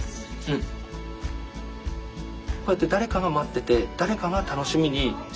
こうやって誰かが待ってて誰かが楽しみにしてくれている。